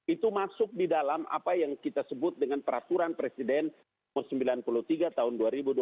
itu masuk di dalam apa yang kita sebut dengan peraturan presiden nomor sembilan puluh tiga tahun dua ribu dua puluh